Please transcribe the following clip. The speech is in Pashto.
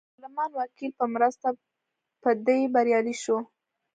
د پارلمان وکیل په مرسته په دې بریالی شو.